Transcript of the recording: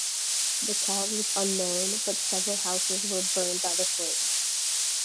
The cause was unknown, but several houses were burned by the flames.